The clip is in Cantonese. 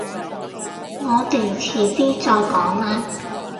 我哋遲啲再講啦